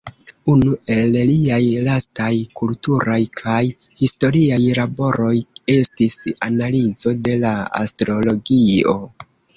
Unu el liaj lastaj kulturaj kaj historiaj laboroj estis analizo de la astrologio.